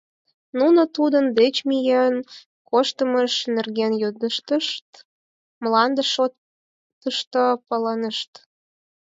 Нуно тудын деч миен коштмыж нерген йодыштыт, мланде шотышто палынешт.